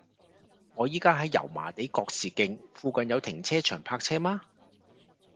我依家喺油麻地覺士徑，附近有停車場泊車嗎